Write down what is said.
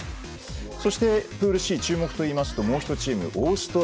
そしてプールＣ注目といいますともう１チームオーストラリアです。